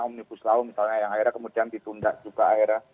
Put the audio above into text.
omnibus law misalnya yang akhirnya kemudian ditunda juga akhirnya